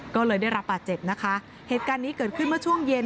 ก็เลยได้รับบาดเจ็บนะคะเหตุการณ์นี้เกิดขึ้นเมื่อช่วงเย็น